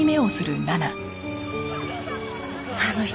あの人